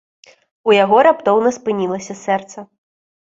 У яго раптоўна спынілася сэрца.